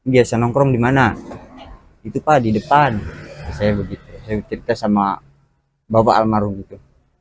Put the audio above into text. biasa nongkrong di mana itu pak di depan saya begitu saya cerita sama bapak almarhum gitu